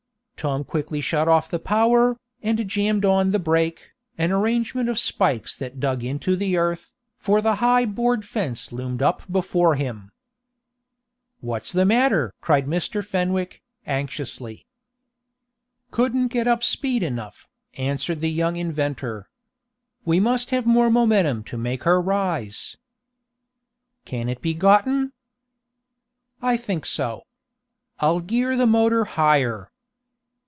Tom quickly shut off the power, and jammed on the brake, an arrangement of spikes that dug into the earth, for the high board fence loomed up before him. "What's the matter?" cried Mr. Fenwick, anxiously. "Couldn't get up speed enough," answered the young inventor. "We must have more momentum to make her rise." "Can it be gotten?" "I think so. I'll gear the motor higher."